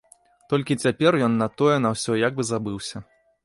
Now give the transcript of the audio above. Толькі цяпер ён на тое на ўсё як бы забыўся.